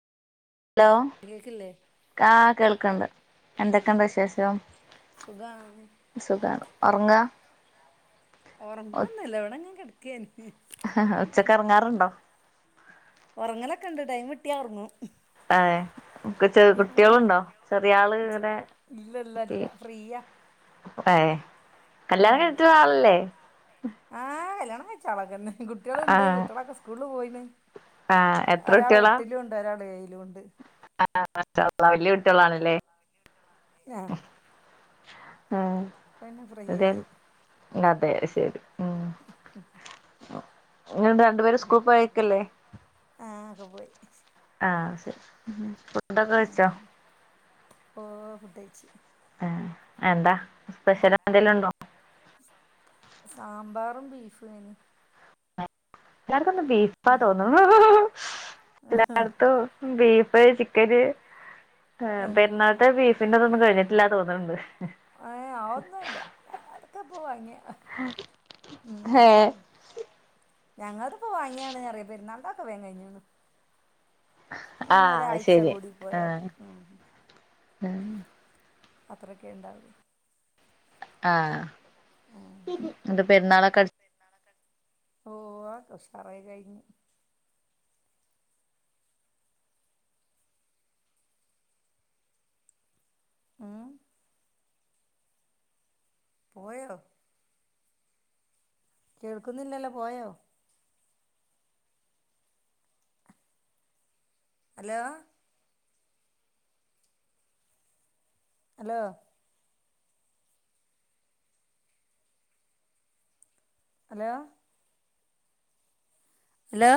law കേക്കില്ലേ ആ കേൾക്കണ്ട് എന്തൊക്കെയണ്ട് വിശേഷം സുഖാണ് സുഖാണോ ഒറങ്ങാ ഉറങ്ങുവോന്നുവല്ല ഇവിടെങ്ങെ കെട ഉച്ചക്ക് ഒറങ്ങാറുണ്ടോ ടൈംമുകിട്ടിയ ഒറങ്ങും ആ ചെറു കുട്ടികളുണ്ടോ ചെറിയാള് ഇവിടെ ഇല്ലല്ല ഇല്ല ഇല്ല [unintelligible] ഫ്രീയാ ഏഹ് കല്യാണം കഴിച്ചയാളല്ലേ ആഹ് കല്യാണം കഴിച്ചാളൊക്കന്നെ കുട്ടികളുണ്ട് ആഹ് കുട്ടികളൊക്കെ സ്കൂളില് പോയിന് ആഹ് എത്ര കുട്ടികളാ ണ്ട് ആഹ് വല്ല്യ കുട്ടികളാണല്ലേ ആഹ് ഉ പിന്നെ അതെ ശരി ശരി ഉം ഇ രണ്ടു പേര് സ്കൂൾ പോയക്കല്ലേ ആഹ് അവര് പോയി ആഹ് ഫുഡൊക്കെ കഴിച്ചോ ഓ ഫുഡ് കഴിച്ചു എന്താ സ്പെഷ്യല് എന്തേലും ഉണ്ടോ സാമ്പാറും ബീഫും എനി ആ ബീഫാ തൊന്നുന്നു എല്ലാട്ത്തും ബീഫ് ഇപ്പ ചിക്കന് ഏഹ് പെരുന്നാളത്തെ ബീഫിന്റെതൊന്നും കഴിഞ്ഞിട്ടില്ല തോന്നുന്നുുണ്ട് ഏ ആന്നുംല്ല ഞൻ അതൊക്കെ പോവാങ്ങിയ ഹേ ഞങ്ങളത് ഇപ്പോ വാങ്ങിയാാണ് അറിയ പെരുന്നാള്ൻ്റെക്കെ കഴിഞ്ഞണ് അന്ന് ആഹ് ഒരാഴ്ച ശരി കൂടി പോയല് ഉ ഉഹ അത്രക്കെ ഉണ്ടുള്ളു ആഹ ഇത് പെരുന്നാളൊക്കെ അ ഓ അത സാറേ കഴിഞ്ഞു ആഏ പോയോ കേൾക്കുന്നില്ലല്ലോ പോയോ ഹലോ ഹലോ ഹലോ അല്ല